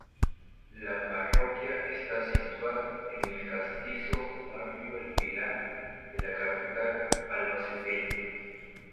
La parroquia está situada en el castizo barrio El Pilar de la capital albaceteña.